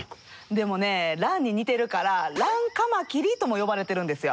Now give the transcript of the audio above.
でもねランに似てるから「ランカマキリ」とも呼ばれてるんですよ。